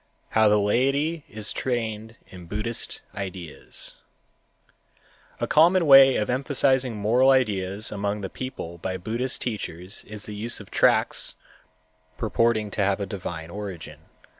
How the Laity is Trained in Buddhist Ideas_ A common way of emphasizing moral ideas among the people by Buddhist teachers is the use of tracts purporting to have a divine origin.